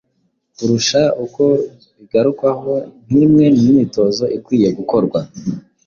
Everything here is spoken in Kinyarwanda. kurusha uko bigarukwaho nk’imwe mu myitozo ikwiye gukorwa